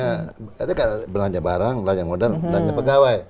karena belanja barang belanja modal belanja pegawai